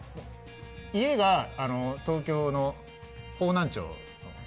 家が東京の方南町の。